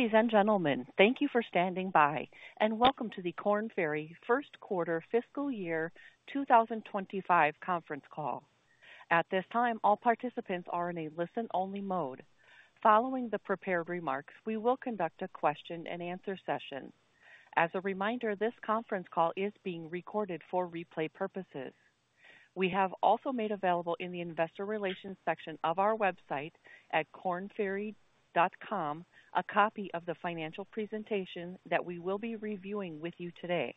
Ladies and gentlemen, thank you for standing by, and welcome to the Korn Ferry first quarter fiscal year 2025 conference call. At this time, all participants are in a listen-only mode. Following the prepared remarks, we will conduct a question-and-answer session. As a reminder, this conference call is being recorded for replay purposes. We have also made available in the investor relations section of our website at kornferry.com, a copy of the financial presentation that we will be reviewing with you today.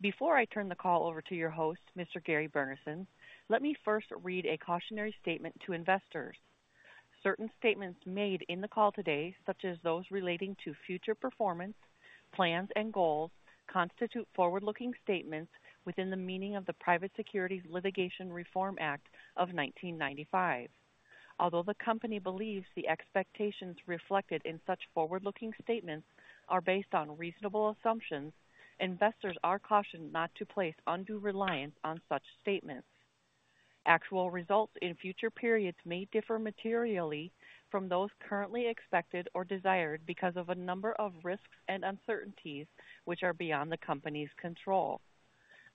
Before I turn the call over to your host, Mr. Gary Burnison, let me first read a cautionary statement to investors. Certain statements made in the call today, such as those relating to future performance, plans, and goals, constitute forward-looking statements within the meaning of the Private Securities Litigation Reform Act of 1995. Although the company believes the expectations reflected in such forward-looking statements are based on reasonable assumptions, investors are cautioned not to place undue reliance on such statements. Actual results in future periods may differ materially from those currently expected or desired because of a number of risks and uncertainties, which are beyond the company's control.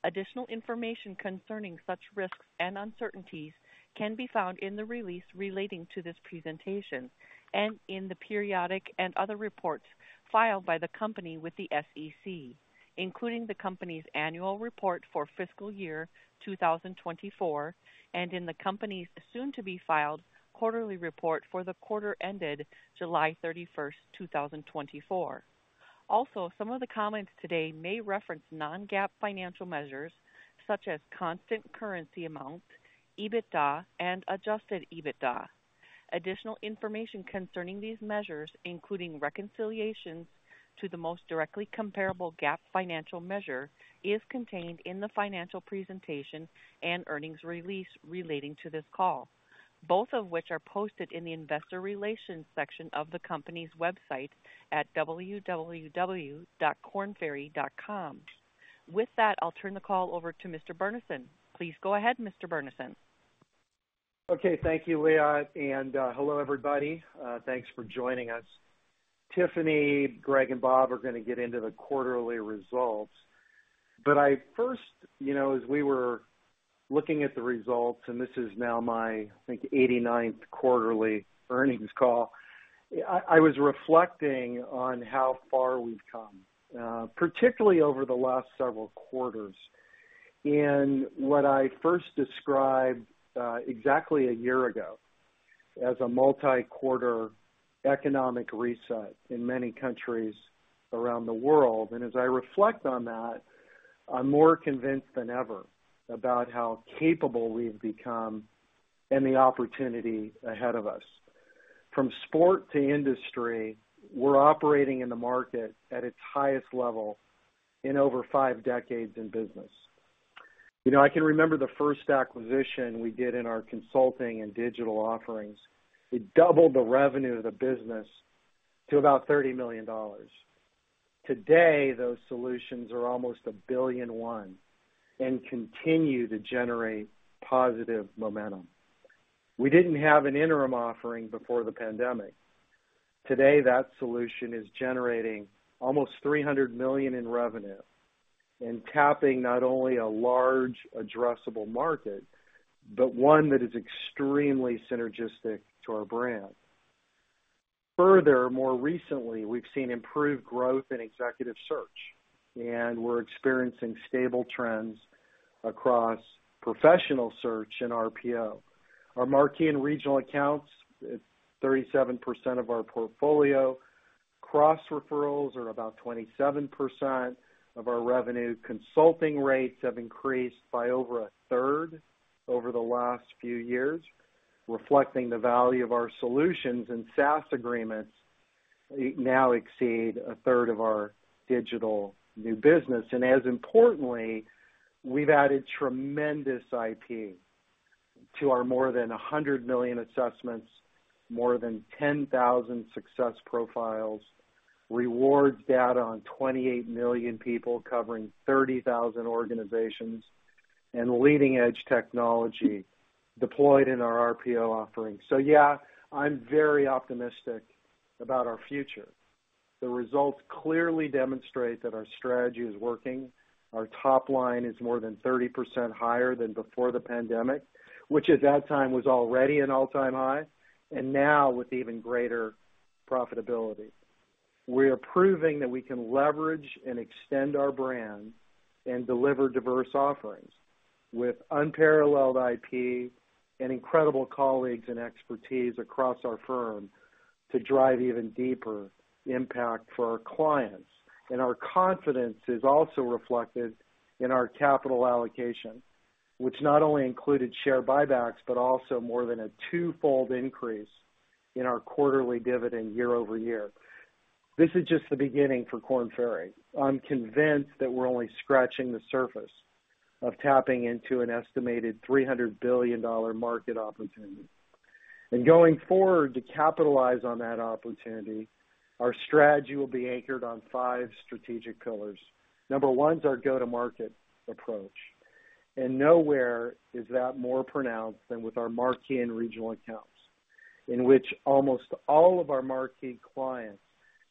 Additional information concerning such risks and uncertainties can be found in the release relating to this presentation and in the periodic and other reports filed by the company with the SEC, including the company's annual report for fiscal year 2024, and in the company's soon-to-be-filed quarterly report for the quarter ended July 31, 2024. Also, some of the comments today may reference non-GAAP financial measures such as constant currency amount, EBITDA, and adjusted EBITDA. Additional information concerning these measures, including reconciliations to the most directly comparable GAAP financial measure, is contained in the financial presentation and earnings release relating to this call, both of which are posted in the investor relations section of the company's website at www.kornferry.com. With that, I'll turn the call over to Mr. Burnison. Please go ahead, Mr. Burnison. Okay, thank you, Liat, and hello, everybody. Thanks for joining us. Tiffany, Gregg, and Bob are going to get into the quarterly results. But I first, you know, as we were looking at the results, and this is now my, I think, eighty-ninth quarterly earnings call, I was reflecting on how far we've come, particularly over the last several quarters, and what I first described exactly a year ago as a multi-quarter economic reset in many countries around the world. And as I reflect on that, I'm more convinced than ever about how capable we've become and the opportunity ahead of us. From start to industry, we're operating in the market at its highest level in over five decades in business. You know, I can remember the first acquisition we did in our consulting and digital offerings. It doubled the revenue of the business to about $30 million. Today, those solutions are almost $1 billion and continue to generate positive momentum. We didn't have an interim offering before the pandemic. Today, that solution is generating almost $300 million in revenue and tapping not only a large addressable market, but one that is extremely synergistic to our brand. Further, more recently, we've seen improved growth in executive search, and we're experiencing stable trends across professional search and RPO. Our Marquee and Regional Accounts, it's 37% of our portfolio. Cross referrals are about 27% of our revenue. Consulting rates have increased by over a third over the last few years, reflecting the value of our solutions, and SaaS agreements now exceed a third of our digital new business. As importantly, we've added tremendous IP to our more than 100 million assessments, more than 10,000 Success Profiles, rewards data on 28 million people covering 30,000 organizations and leading-edge technology deployed in our RPO offerings. Yeah, I'm very optimistic about our future. The results clearly demonstrate that our strategy is working. Our top line is more than 30% higher than before the pandemic, which at that time was already an all-time high, and now with even greater profitability. We are proving that we can leverage and extend our brand and deliver diverse offerings with unparalleled IP and incredible colleagues and expertise across our firm to drive even deeper impact for our clients. Our confidence is also reflected in our capital allocation, which not only included share buybacks, but also more than a twofold increase in our quarterly dividend year-over-year. This is just the beginning for Korn Ferry. I'm convinced that we're only scratching the surface of tapping into an estimated $300 billion market opportunity, and going forward, to capitalize on that opportunity, our strategy will be anchored on five strategic pillars. Number one is our go-to-market approach, and nowhere is that more pronounced than with our Marquee and Regional Accounts, in which almost all of our marquee clients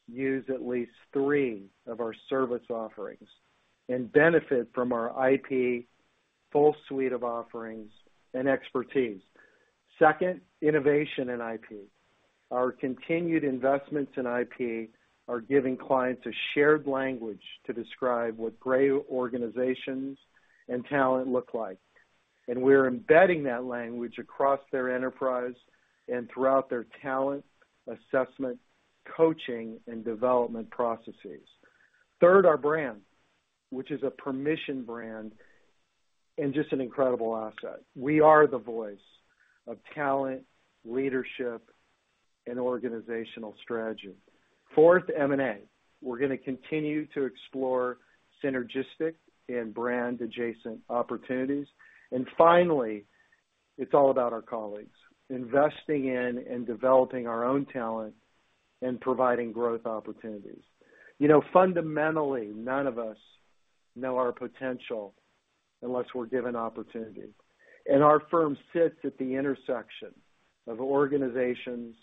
use at least three of our service offerings and benefit from our IP, full suite of offerings, and expertise. Second, innovation and IP. Our continued investments in IP are giving clients a shared language to describe what great organizations and talent look like, and we're embedding that language across their enterprise and throughout their talent, assessment, coaching, and development processes. Third, our brand, which is a permission brand and just an incredible asset. We are the voice of talent, leadership, and organizational strategy. Fourth, M&A. We're going to continue to explore synergistic and brand-adjacent opportunities. And finally, it's all about our colleagues, investing in and developing our own talent and providing growth opportunities. You know, fundamentally, none of us know our potential unless we're given opportunity, and our firm sits at the intersection of organizations,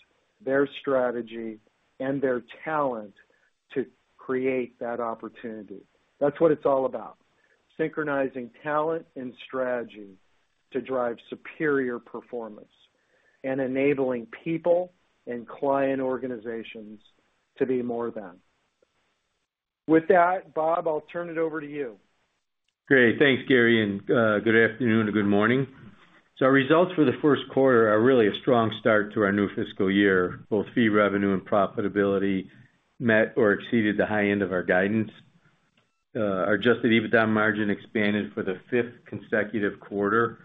their strategy, and their talent to create that opportunity. That's what it's all about, synchronizing talent and strategy to drive superior performance and enabling people and client organizations to be more than. With that, Bob, I'll turn it over to you. Great. Thanks, Gary, and good afternoon or good morning. So our results for the first quarter are really a strong start to our new fiscal year. Both fee revenue and profitability met or exceeded the high end of our guidance. Our adjusted EBITDA margin expanded for the fifth consecutive quarter.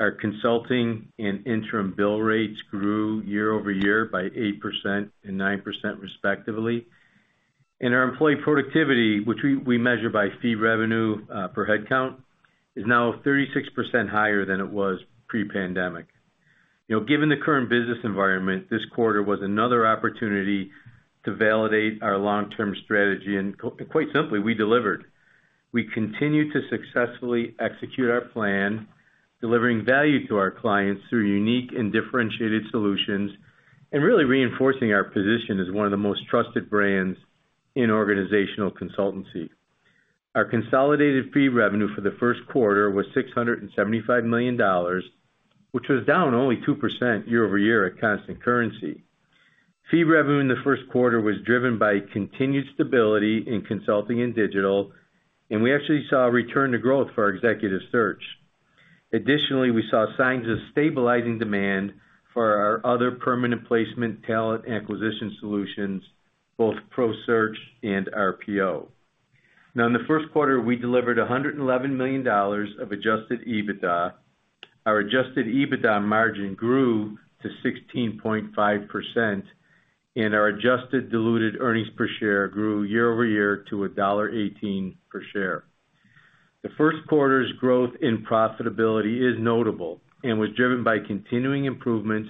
Our consulting and interim bill rates grew year-over-year by 8% and 9%, respectively. And our employee productivity, which we measure by fee revenue per head count, is now 36% higher than it was pre-pandemic. You know, given the current business environment, this quarter was another opportunity to validate our long-term strategy, and quite simply, we delivered. We continued to successfully execute our plan, delivering value to our clients through unique and differentiated solutions, and really reinforcing our position as one of the most trusted brands in organizational consultancy. Our consolidated fee revenue for the first quarter was $675 million, which was down only 2% year-over-year at constant currency. Fee revenue in the first quarter was driven by continued stability in consulting and digital, and we actually saw a return to growth for our executive search. Additionally, we saw signs of stabilizing demand for our other permanent placement talent acquisition solutions, both ProSearch and RPO. Now, in the first quarter, we delivered $111 million of adjusted EBITDA. Our adjusted EBITDA margin grew to 16.5%, and our adjusted diluted earnings per share grew year-over-year to $1.18 per share. The first quarter's growth in profitability is notable and was driven by continuing improvements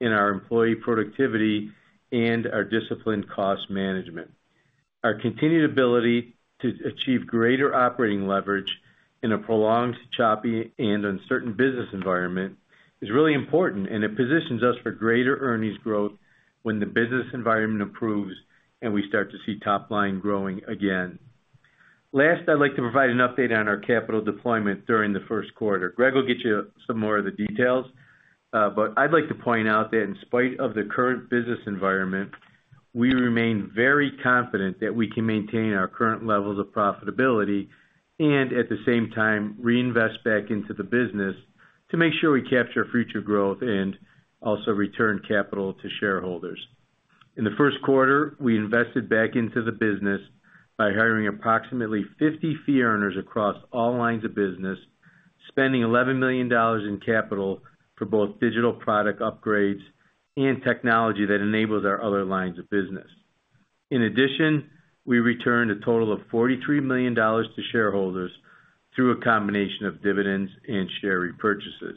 in our employee productivity and our disciplined cost management. Our continued ability to achieve greater operating leverage in a prolonged, choppy, and uncertain business environment is really important, and it positions us for greater earnings growth when the business environment improves and we start to see top line growing again. Last, I'd like to provide an update on our capital deployment during the first quarter. Gregg will get you some more of the details, but I'd like to point out that in spite of the current business environment, we remain very confident that we can maintain our current levels of profitability and, at the same time, reinvest back into the business to make sure we capture future growth and also return capital to shareholders. In the first quarter, we invested back into the business by hiring approximately 50 fee earners across all lines of business, spending $11 million in capital for both digital product upgrades and technology that enables our other lines of business. In addition, we returned a total of $43 million to shareholders through a combination of dividends and share repurchases.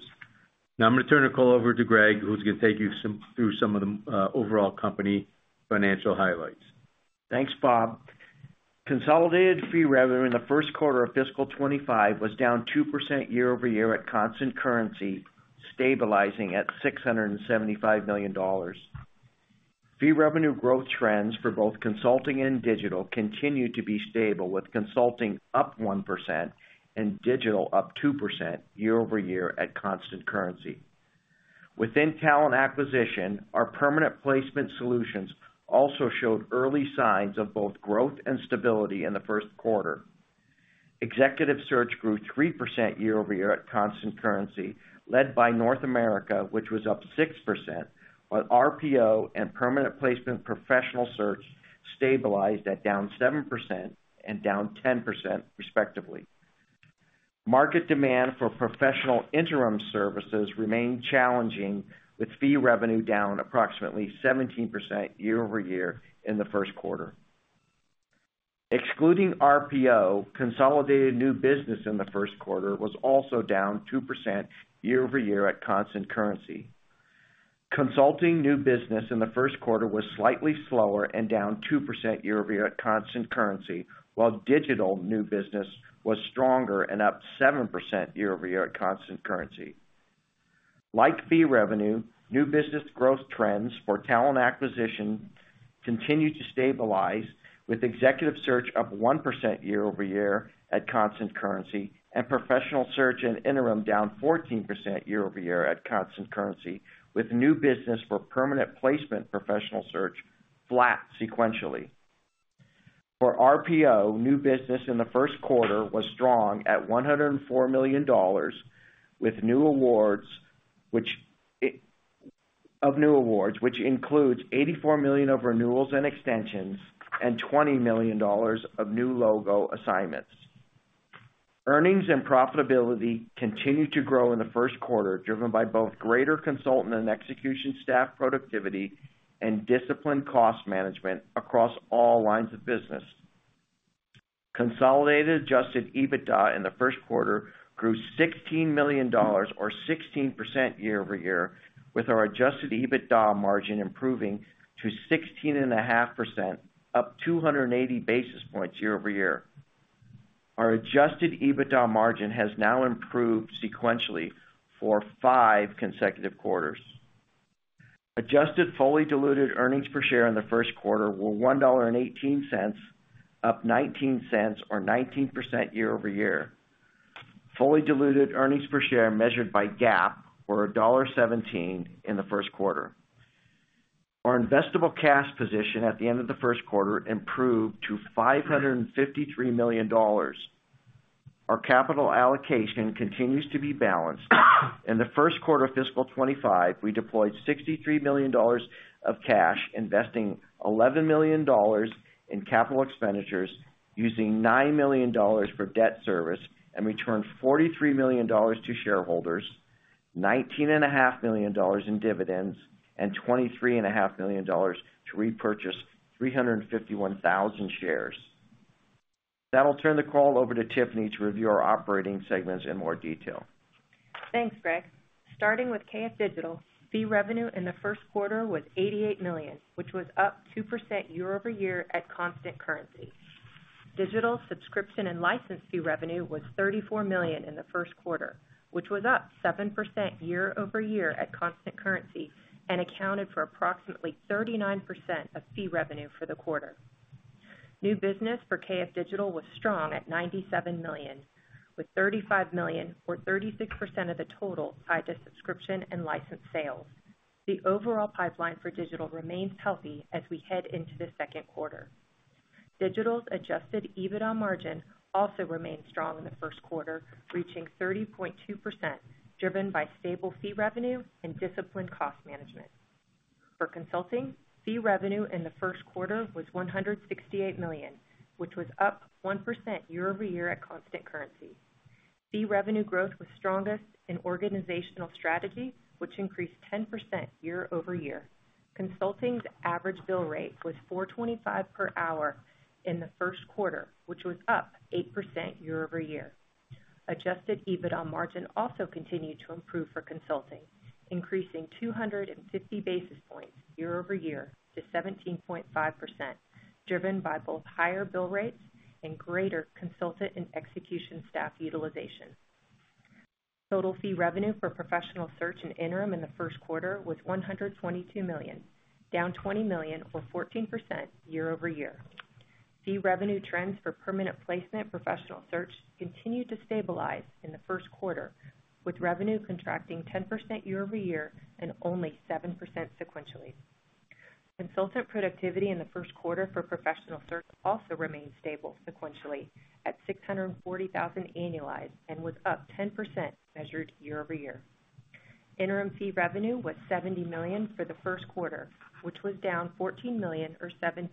Now I'm going to turn the call over to Gregg, who's going to take you through some of the overall company financial highlights. Thanks, Bob. Consolidated fee revenue in the first quarter of fiscal 2025 was down 2% year-over-year at constant currency, stabilizing at $675 million. Fee revenue growth trends for both consulting and digital continued to be stable, with consulting up 1% and digital up 2% year-over-year at constant currency. Within talent acquisition, our permanent placement solutions also showed early signs of both growth and stability in the first quarter. Executive search grew 3% year-over-year at constant currency, led by North America, which was up 6%, while RPO and permanent placement professional search stabilized at down 7% and down 10%, respectively. Market demand for professional interim services remained challenging, with fee revenue down approximately 17% year-over-year in the first quarter. Excluding RPO, consolidated new business in the first quarter was also down 2% year-over-year at constant currency. Consulting new business in the first quarter was slightly slower and down 2% year-over-year at constant currency, while digital new business was stronger and up 7% year-over-year at constant currency. Like fee revenue, new business growth trends for talent acquisition continued to stabilize, with executive search up 1% year-over-year at constant currency, and professional search and interim down 14% year-over-year at constant currency, with new business for permanent placement professional search flat sequentially. For RPO, new business in the first quarter was strong at $104 million, with new awards, which includes $84 million of renewals and extensions and $20 million of new logo assignments. Earnings and profitability continued to grow in the first quarter, driven by both greater consultant and execution staff productivity and disciplined cost management across all lines of business. Consolidated adjusted EBITDA in the first quarter grew $16 million or 16% year-over-year, with our adjusted EBITDA margin improving to 16.5%, up 280 basis points year-over-year. Our adjusted EBITDA margin has now improved sequentially for five consecutive quarters. Adjusted fully diluted earnings per share in the first quarter were $1.18, up 19 cents or 19% year-over-year. Fully diluted earnings per share measured by GAAP were $1.17 in the first quarter. Our investable cash position at the end of the first quarter improved to $553 million. Our capital allocation continues to be balanced. In the first quarter of fiscal 2025, we deployed $63 million of cash, investing $11 million in capital expenditures, using $9 million for debt service, and returned $43 million to shareholders, $19.5 million in dividends, and $23.5 million to repurchase 351,000 shares. Now I'll turn the call over to Tiffany to review our operating segments in more detail. Thanks, Gregg. Starting with KF Digital, fee revenue in the first quarter was $88 million, which was up 2% year-over-year at constant currency. Digital subscription and license fee revenue was $34 million in the first quarter, which was up 7% year-over-year at constant currency and accounted for approximately 39% of fee revenue for the quarter. New business for KF Digital was strong at $97 million, with $35 million or 36% of the total tied to subscription and license sales. The overall pipeline for digital remains healthy as we head into the second quarter. Digital's adjusted EBITDA margin also remained strong in the first quarter, reaching 30.2%, driven by stable fee revenue and disciplined cost management. For consulting, fee revenue in the first quarter was $168 million, which was up 1% year-over-year at constant currency. Fee revenue growth was strongest in organizational strategy, which increased 10% year-over-year. Consulting's average bill rate was $425 per hour in the first quarter, which was up 8% year-over-year. Adjusted EBITDA margin also continued to improve for consulting, increasing two hundred and fifty basis points year-over-year to 17.5%, driven by both higher bill rates and greater consultant and execution staff utilization. Total fee revenue for professional search and interim in the first quarter was $122 million, down $20 million or 14% year-over-year. Fee revenue trends for permanent placement professional search continued to stabilize in the first quarter, with revenue contracting 10% year-over-year and only 7% sequentially. Consultant productivity in the first quarter for professional search also remained stable sequentially at 640,000 annualized and was up 10% measured year-over-year. Interim fee revenue was 70 million for the first quarter, which was down 14 million or 17%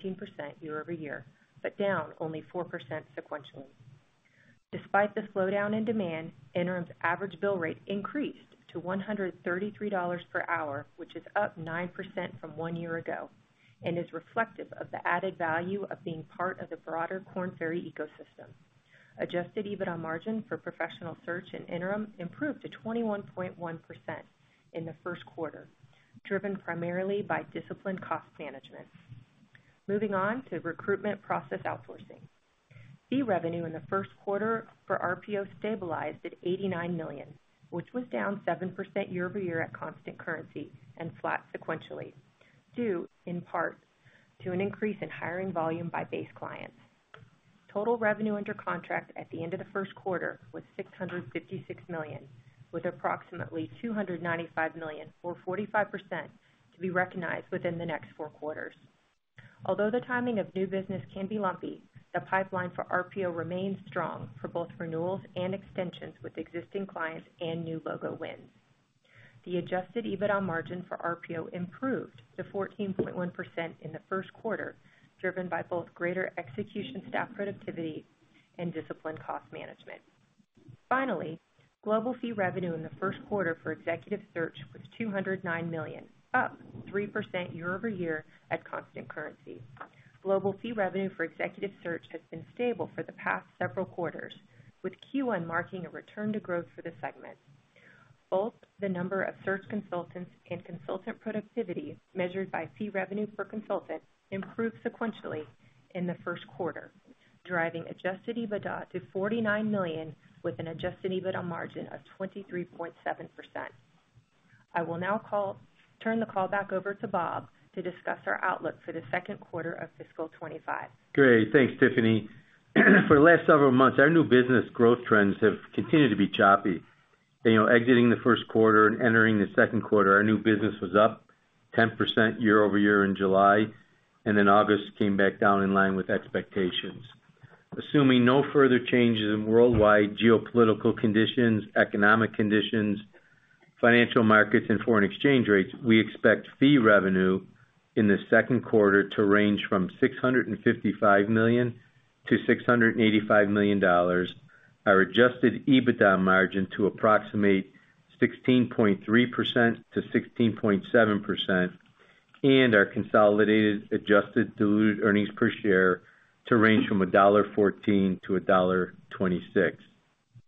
year-over-year, but down only 4% sequentially. Despite the slowdown in demand, Interim's average bill rate increased to $133 per hour, which is up 9% from one year ago and is reflective of the added value of being part of the broader Korn Ferry ecosystem. Adjusted EBITDA margin for professional search and interim improved to 21.1% in the first quarter, driven primarily by disciplined cost management. Moving on to recruitment process outsourcing. Fee revenue in the first quarter for RPO stabilized at $89 million, which was down 7% year-over-year at constant currency and flat sequentially, due in part to an increase in hiring volume by base clients. Total revenue under contract at the end of the first quarter was $656 million, with approximately $295 million, or 45%, to be recognized within the next four quarters. Although the timing of new business can be lumpy, the pipeline for RPO remains strong for both renewals and extensions with existing clients and new logo wins. The Adjusted EBITDA margin for RPO improved to 14.1% in the first quarter, driven by both greater execution, staff productivity, and disciplined cost management. Finally, global fee revenue in the first quarter for executive search was $209 million, up 3% year-over-year at constant currency. Global fee revenue for executive search has been stable for the past several quarters, with Q1 marking a return to growth for the segment. Both the number of search consultants and consultant productivity, measured by fee revenue per consultant, improved sequentially in the first quarter, driving Adjusted EBITDA to $49 million, with an Adjusted EBITDA margin of 23.7%. I will now turn the call back over to Bob to discuss our outlook for the second quarter of fiscal 2025. Great. Thanks, Tiffany. For the last several months, our new business growth trends have continued to be choppy. And, you know, exiting the first quarter and entering the second quarter, our new business was up 10% year-over-year in July, and then August came back down in line with expectations. Assuming no further changes in worldwide geopolitical conditions, economic conditions, financial markets, and foreign exchange rates, we expect fee revenue in the second quarter to range from $655 million-$685 million. Our adjusted EBITDA margin to approximate 16.3%-16.7%, and our consolidated adjusted diluted earnings per share to range from $1.14-$1.26.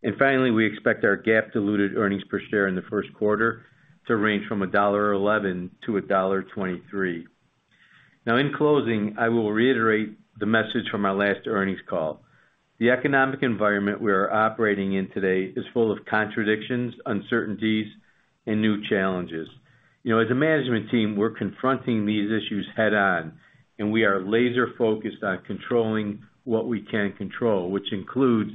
And finally, we expect our GAAP diluted earnings per share in the first quarter to range from $1.11-$1.23. Now, in closing, I will reiterate the message from our last earnings call. The economic environment we are operating in today is full of contradictions, uncertainties, and new challenges. You know, as a management team, we're confronting these issues head-on, and we are laser focused on controlling what we can control, which includes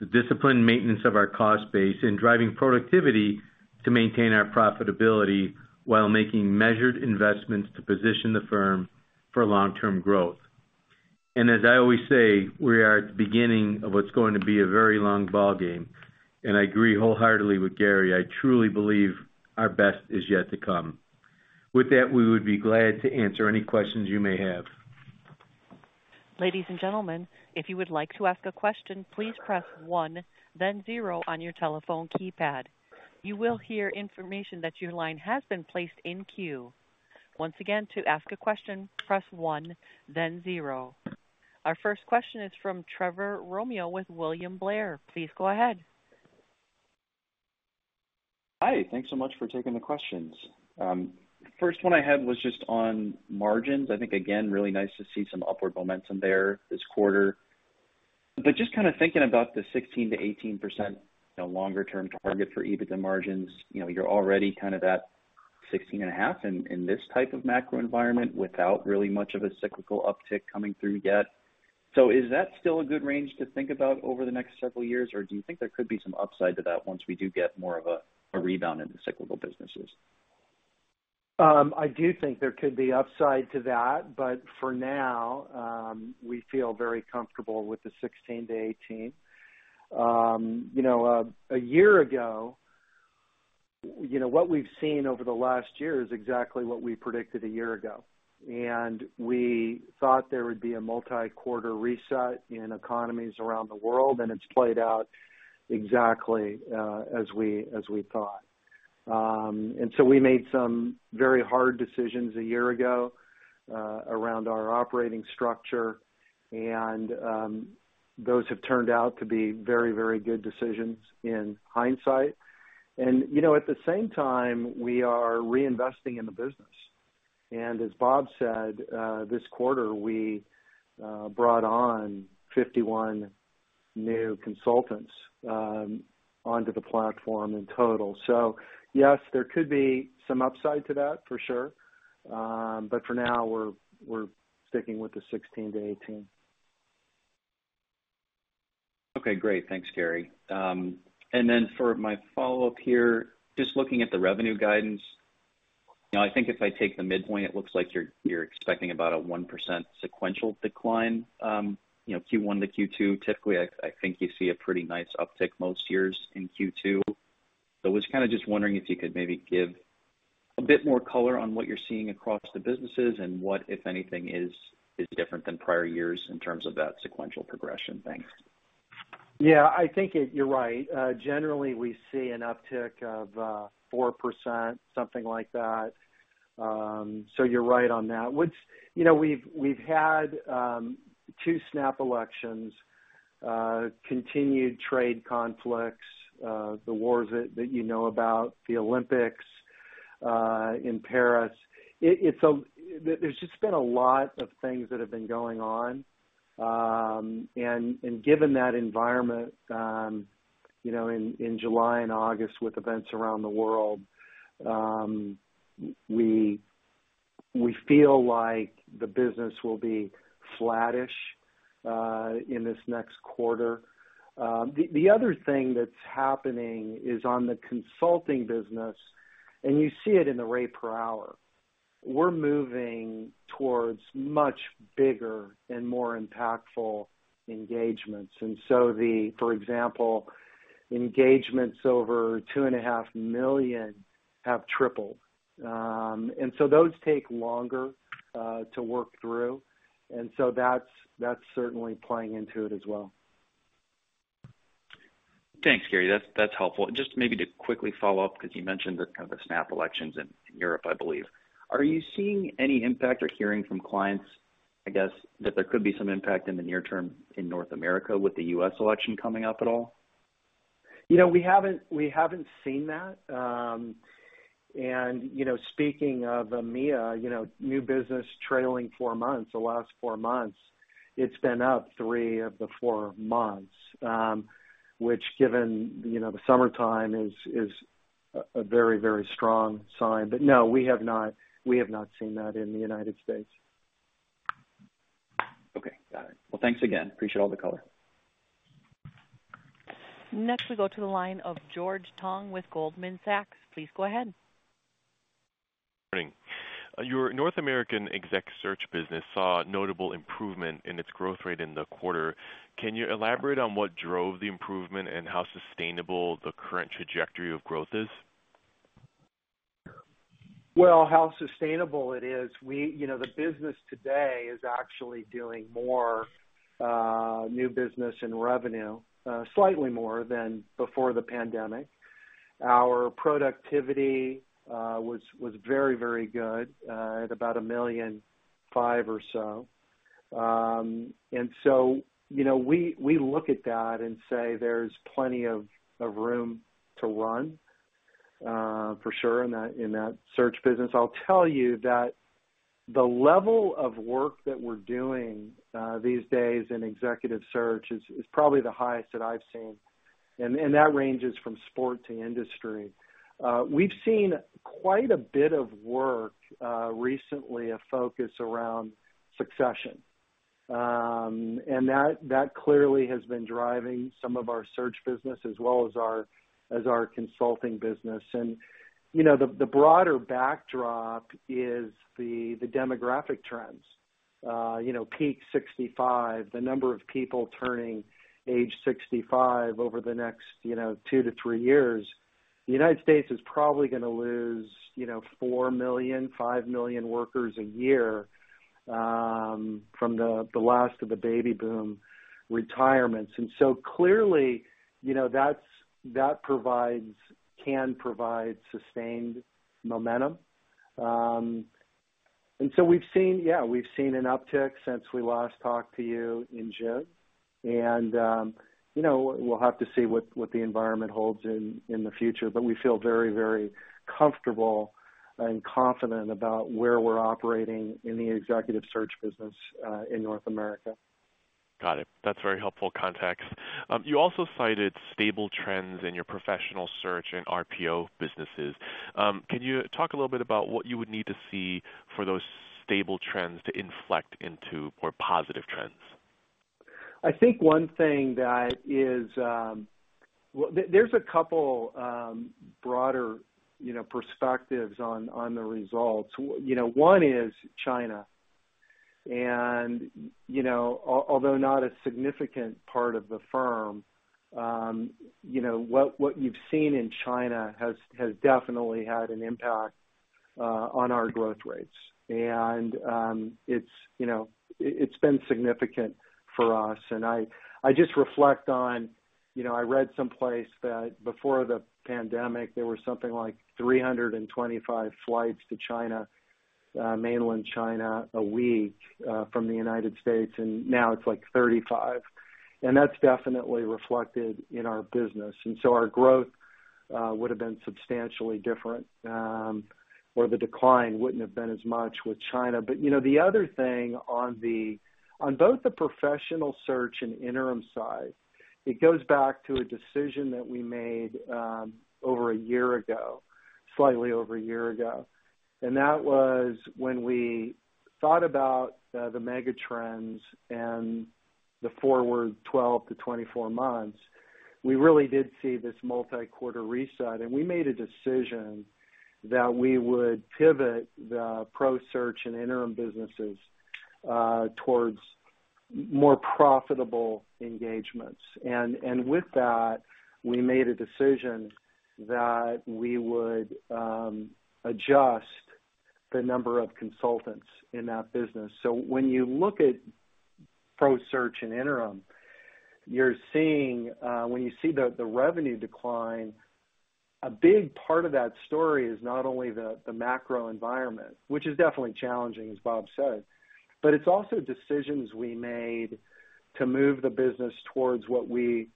the disciplined maintenance of our cost base and driving productivity to maintain our profitability, while making measured investments to position the firm for long-term growth. And as I always say, we are at the beginning of what's going to be a very long ballgame, and I agree wholeheartedly with Gary. I truly believe our best is yet to come. With that, we would be glad to answer any questions you may have. Ladies and gentlemen, if you would like to ask a question, please press one, then zero on your telephone keypad. You will hear information that your line has been placed in queue. Once again, to ask a question, press one, then zero. Our first question is from Trevor Romeo with William Blair. Please go ahead. Hi, thanks so much for taking the questions. First one I had was just on margins. I think, again, really nice to see some upward momentum there this quarter. But just kind of thinking about the 16%-18%, the longer term target for EBITDA margins, you know, you're already kind of at 16.5% in this type of macro environment without really much of a cyclical uptick coming through yet. So is that still a good range to think about over the next several years, or do you think there could be some upside to that once we do get more of a rebound in the cyclical businesses? I do think there could be upside to that, but for now, we feel very comfortable with the 16-18. You know, a year ago, you know, what we've seen over the last year is exactly what we predicted a year ago. And we thought there would be a multi-quarter reset in economies around the world, and it's played out exactly as we thought. And so we made some very hard decisions a year ago around our operating structure, and those have turned out to be very, very good decisions in hindsight. And, you know, at the same time, we are reinvesting in the business. And as Bob said, this quarter, we brought on 51 new consultants onto the platform in total. So yes, there could be some upside to that, for sure. But for now, we're sticking with the sixteen to eighteen. Okay, great. Thanks, Gary. And then for my follow-up here, just looking at the revenue guidance, you know, I think if I take the midpoint, it looks like you're expecting about a 1% sequential decline, you know, Q1 to Q2. Typically, I think you see a pretty nice uptick most years in Q2. So I was kind of just wondering if you could maybe give a bit more color on what you're seeing across the businesses and what, if anything, is different than prior years in terms of that sequential progression. Thanks. Yeah, I think you're right. Generally, we see an uptick of 4%, something like that. So you're right on that. Which, you know, we've had two snap elections, continued trade conflicts, the wars that you know about, the Olympics in Paris. It's... There's just been a lot of things that have been going on. And given that environment, you know, in July and August with events around the world, we feel like the business will be flattish in this next quarter. The other thing that's happening is on the consulting business, and you see it in the rate per hour. We're moving towards much bigger and more impactful engagements, and so, for example, engagements over $2.5 million have tripled. And so those take longer to work through, and so that's certainly playing into it as well. Thanks, Gary. That's, that's helpful. Just maybe to quickly follow up, because you mentioned the kind of the snap elections in Europe, I believe. Are you seeing any impact or hearing from clients?... I guess that there could be some impact in the near term in North America with the U.S. election coming up at all? You know, we haven't seen that. And, you know, speaking of EMEA, you know, new business trailing four months, the last four months, it's been up three of the four months, which given, you know, the summertime is a very, very strong sign. But no, we have not seen that in the United States. Okay, got it. Well, thanks again. Appreciate all the color. Next, we go to the line of George Tong with Goldman Sachs. Please go ahead. Good morning. Your North American exec search business saw notable improvement in its growth rate in the quarter. Can you elaborate on what drove the improvement and how sustainable the current trajectory of growth is? Well, how sustainable it is, you know, the business today is actually doing more new business and revenue, slightly more than before the pandemic. Our productivity was very, very good at about $1.5 million or so. And so, you know, we look at that and say there's plenty of room to run for sure in that search business. I'll tell you that the level of work that we're doing these days in executive search is probably the highest that I've seen, and that ranges from sector to industry. We've seen quite a bit of work recently, a focus around succession. And that clearly has been driving some of our search business as well as our consulting business. You know, the broader backdrop is the demographic trends. You know, Peak 65, the number of people turning age sixty-five over the next, you know, two to three years, the United States is probably gonna lose, you know, four million-five million workers a year, from the last of the baby boom retirements. So clearly, you know, that provides can provide sustained momentum. And so we've seen, yeah, we've seen an uptick since we last talked to you in June. You know, we'll have to see what the environment holds in the future, but we feel very, very comfortable and confident about where we're operating in the executive search business, in North America. Got it. That's very helpful context. You also cited stable trends in your professional search and RPO businesses. Can you talk a little bit about what you would need to see for those stable trends to inflect into more positive trends? I think one thing that is. Well, there's a couple broader, you know, perspectives on the results. You know, one is China, and you know, although not a significant part of the firm, you know, what you've seen in China has definitely had an impact on our growth rates, and it's been significant for us, and I just reflect on, you know, I read someplace that before the pandemic, there were something like 325 flights to China, Mainland China, a week from the United States, and now it's like 35. And that's definitely reflected in our business, and so our growth would have been substantially different, or the decline wouldn't have been as much with China. But, you know, the other thing on both the professional search and interim side, it goes back to a decision that we made, over a year ago, slightly over a year ago, and that was when we thought about the mega trends and the forward twelve to twenty-four months, we really did see this multi-quarter reset, and we made a decision that we would pivot the pro search and interim businesses towards more profitable engagements. And with that, we made a decision that we would adjust the number of consultants in that business. So when you look at pro search and interim, you're seeing, when you see the revenue decline, a big part of that story is not only the macro environment, which is definitely challenging, as Bob said, but it's also decisions we made to move the business towards what we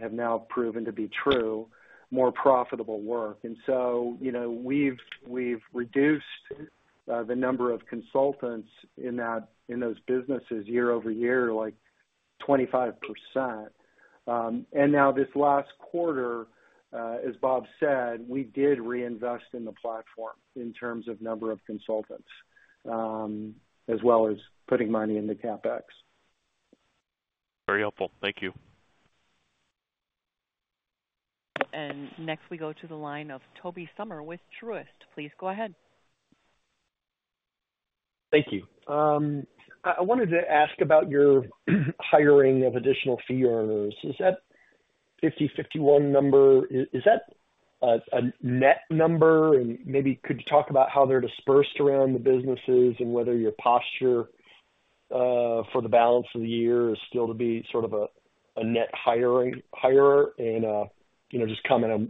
have now proven to be true, more profitable work. And so, you know, we've reduced the number of consultants in those businesses year-over-year, like 25%. And now this last quarter, as Bob said, we did reinvest in the platform in terms of number of consultants, as well as putting money into CapEx. Very helpful. Thank you. Next, we go to the line of Toby Sommer with Truist. Please go ahead. Thank you. I wanted to ask about your hiring of additional fee earners. Is that 50-51 number a net number? And maybe could you talk about how they're dispersed around the businesses and whether your posture for the balance of the year is still to be sort of a net hirer and you know, just comment on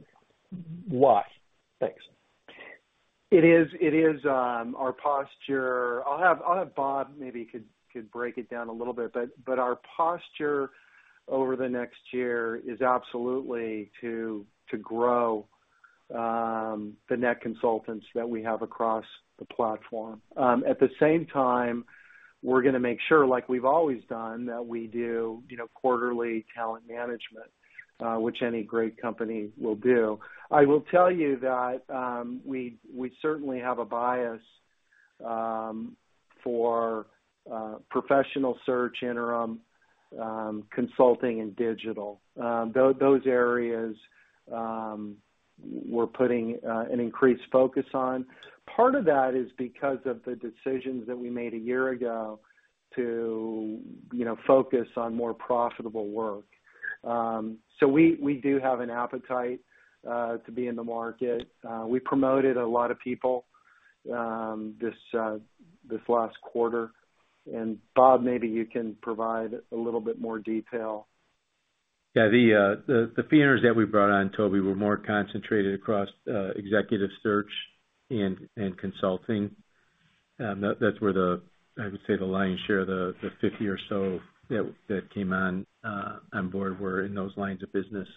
why? Thanks.... It is our posture. I'll have Bob maybe could break it down a little bit, but our posture over the next year is absolutely to grow the net consultants that we have across the platform. At the same time, we're gonna make sure, like we've always done, that we do, you know, quarterly talent management, which any great company will do. I will tell you that we certainly have a bias for professional search, interim, consulting, and digital. Those areas, we're putting an increased focus on. Part of that is because of the decisions that we made a year ago to, you know, focus on more profitable work. So we do have an appetite to be in the market. We promoted a lot of people this last quarter, and Bob, maybe you can provide a little bit more detail. Yeah, the fee earners that we brought on, Toby, were more concentrated across executive search and consulting. That's where, I would say, the lion's share, the fifty or so that came on board were in those lines of business.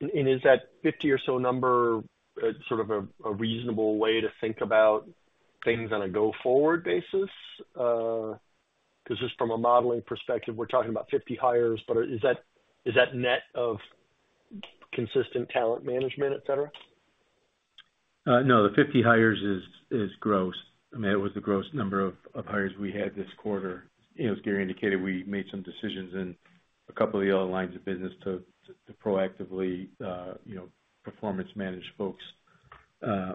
Is that 50 or so number sort of a reasonable way to think about things on a go-forward basis? 'Cause just from a modeling perspective, we're talking about 50 hires, but is that net of consistent talent management, et cetera? No, the 50 hires is gross. I mean, it was the gross number of hires we had this quarter. You know, as Gary indicated, we made some decisions in a couple of the other lines of business to proactively, you know, performance manage folks,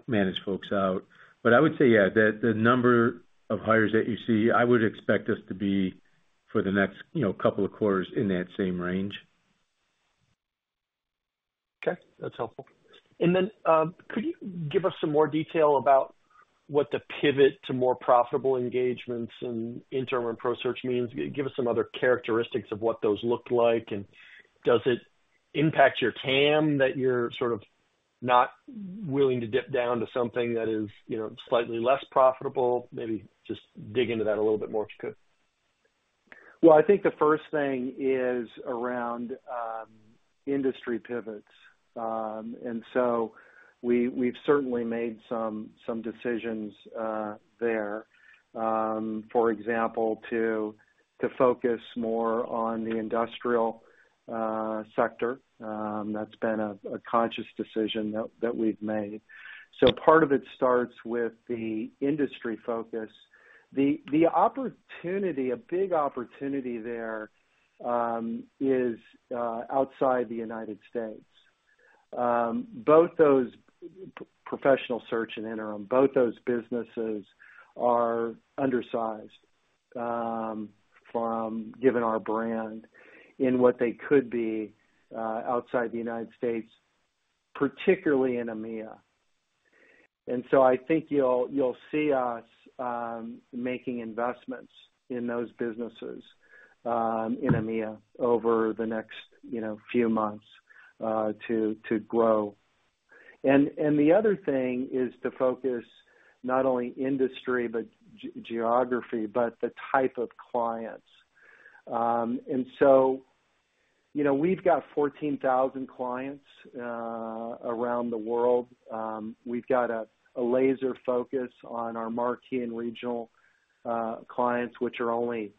manage folks out. But I would say, yeah, the number of hires that you see, I would expect us to be for the next, you know, couple of quarters in that same range. Okay, that's helpful. And then, could you give us some more detail about what the pivot to more profitable engagements and interim and ProSearch means? Give us some other characteristics of what those look like, and does it impact your TAM, that you're sort of not willing to dip down to something that is, you know, slightly less profitable? Maybe just dig into that a little bit more, if you could. I think the first thing is around industry pivots. And so we've certainly made some decisions there, for example, to focus more on the industrial sector. That's been a conscious decision that we've made. So part of it starts with the industry focus. The opportunity, a big opportunity there, is outside the United States. Both those professional search and interim, both those businesses are undersized from given our brand in what they could be outside the United States, particularly in EMEA. And so I think you'll see us making investments in those businesses in EMEA over the next, you know, few months to grow. And the other thing is to focus not only industry, but geography, but the type of clients. And so, you know, we've got 14,000 clients around the world. We've got a laser focus on our marquee and regional clients, which are only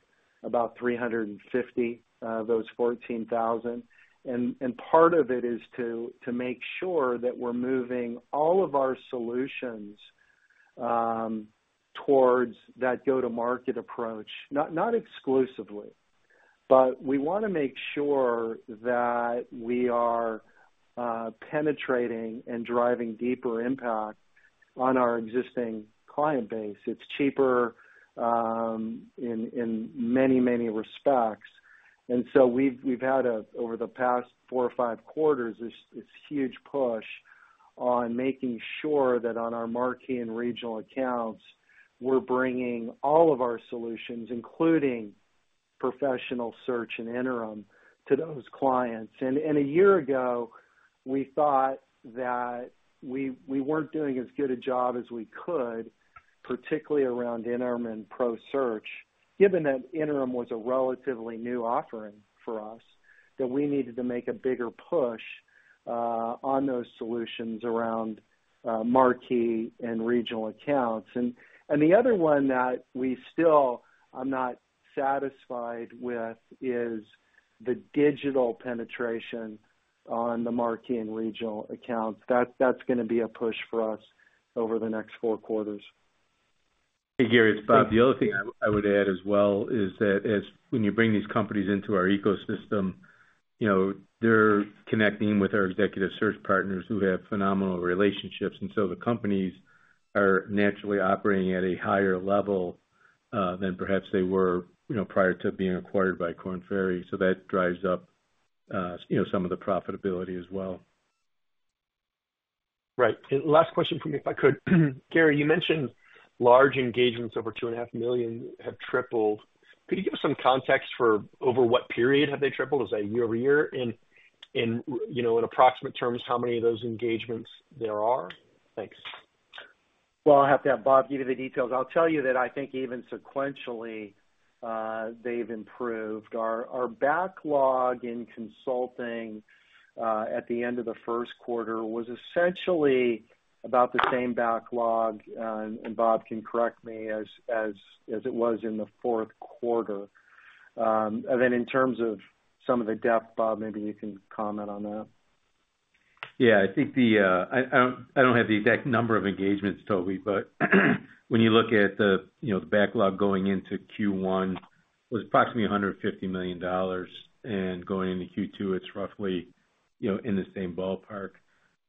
about 350 of those 14,000. And part of it is to make sure that we're moving all of our solutions towards that go-to-market approach. Not exclusively, but we wanna make sure that we are penetrating and driving deeper impact on our existing client base. It's cheaper in many respects. And so we've had a huge push over the past four or five quarters on making sure that on our Marquee and Regional Accounts, we're bringing all of our solutions, including professional search and interim, to those clients. A year ago, we thought that we weren't doing as good a job as we could, particularly around interim and ProSearch, given that interim was a relatively new offering for us, that we needed to make a bigger push on those solutions around Marquee and Regional Accounts. The other one that we still I'm not satisfied with is the digital penetration on the Marquee and Regional Accounts. That's gonna be a push for us over the next four quarters. Hey, Gary, it's Bob. The other thing I would add as well is that as when you bring these companies into our ecosystem, you know, they're connecting with our executive search partners who have phenomenal relationships, and so the companies are naturally operating at a higher level than perhaps they were, you know, prior to being acquired by Korn Ferry. So that drives up, you know, some of the profitability as well. Right and last question from me, if I could. Gary, you mentioned large engagements over $2.5 million have tripled.... Could you give us some context for over what period have they tripled? Is that year-over-year? In, you know, in approximate terms, how many of those engagements there are? Thanks. I'll have to have Bob give you the details. I'll tell you that I think even sequentially, they've improved. Our backlog in consulting at the end of the first quarter was essentially about the same backlog, and Bob can correct me, as it was in the fourth quarter, and then in terms of some of the depth, Bob, maybe you can comment on that. Yeah, I think the, I don't have the exact number of engagements, Toby, but when you look at the, you know, the backlog going into Q1 was approximately $150 million, and going into Q2, it's roughly, you know, in the same ballpark,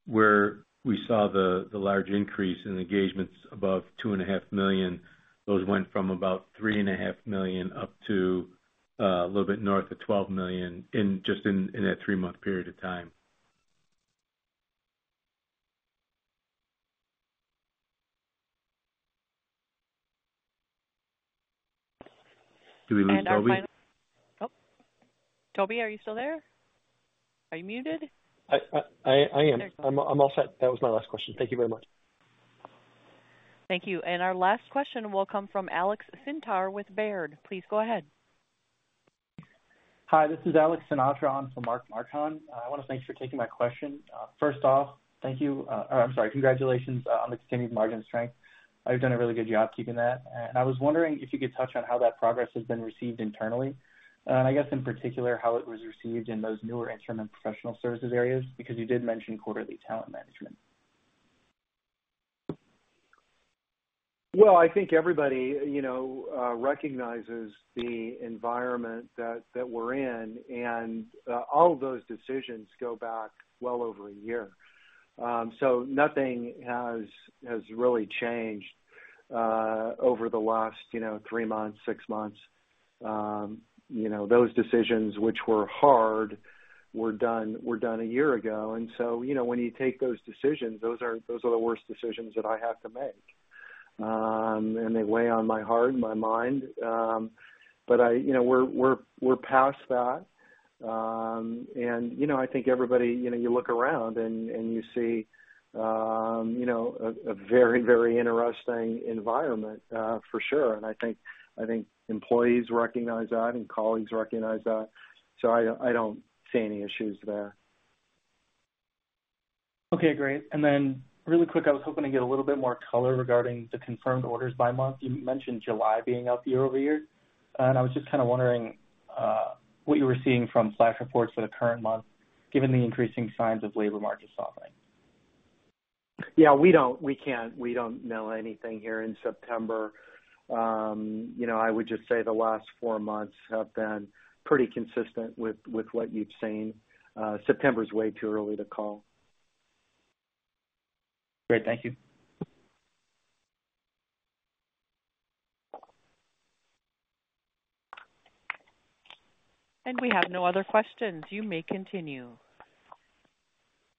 where we saw the large increase in engagements above $2.5 million. Those went from about $3.5 million up to a little bit north of $12 million in just that three-month period of time. Did we lose Toby? And our final-- Oh, Toby, are you still there? Are you muted? I am. I'm all set. That was my last question. Thank you very much. Thank you. And our last question will come from Alex Sintar with Baird. Please go ahead. Hi, this is Alex Sintar. I'm from Mark Marcon. I wanna thank you for taking my question. First off, thank you. Or I'm sorry. Congratulations on the continued margin strength. You've done a really good job keeping that. And I was wondering if you could touch on how that progress has been received internally, and I guess in particular, how it was received in those newer interim professional services areas, because you did mention quarterly talent management. Well, I think everybody, you know, recognizes the environment that we're in, and all of those decisions go back well over a year. So nothing has really changed over the last, you know, three months, six months. You know, those decisions, which were hard, were done a year ago, and so, you know, when you take those decisions, those are the worst decisions that I have to make. And they weigh on my heart and my mind, but, you know, we're past that. And, you know, I think everybody, you know, you look around and you see, you know, a very, very interesting environment for sure. And I think employees recognize that, and colleagues recognize that, so I don't see any issues there. Okay, great. And then really quick, I was hoping to get a little bit more color regarding the confirmed orders by month. You mentioned July being up year-over-year, and I was just kind of wondering what you were seeing from flash reports for the current month, given the increasing signs of labor market softening. Yeah, we don't know anything here in September. You know, I would just say the last four months have been pretty consistent with what you've seen. September's way too early to call. Great. Thank you. We have no other questions. You may continue.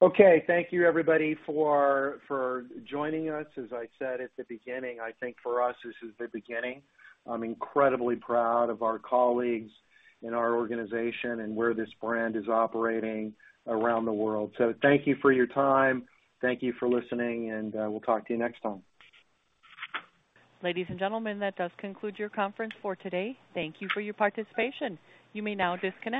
Okay. Thank you, everybody, for joining us. As I said at the beginning, I think for us, this is the beginning. I'm incredibly proud of our colleagues and our organization, and where this brand is operating around the world. So thank you for your time, thank you for listening, and we'll talk to you next time. Ladies and gentlemen, that does conclude your conference for today. Thank you for your participation. You may now disconnect.